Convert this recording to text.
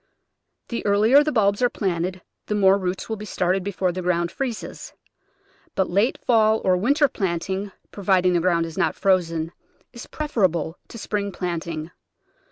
The earlier the bulbs are planted the more roots will be started before the ground freezes, but late fall or winter planting, providing the ground is not frozen, is preferable to spring plant ing.